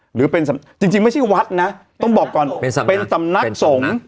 หรือเป็นจริงไม่ใช่วัดนะต้องบอกก่อนเป็นสำนักสงฆ์